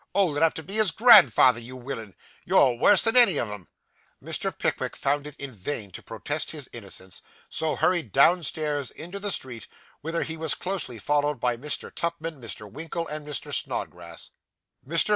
'Old enough to be his grandfather, you willin! You're worse than any of 'em.' Mr. Pickwick found it in vain to protest his innocence, so hurried downstairs into the street, whither he was closely followed by Mr. Tupman, Mr. Winkle, and Mr. Snodgrass. Mr.